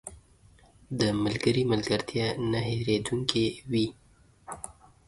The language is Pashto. • د ملګري ملګرتیا نه هېریدونکې وي.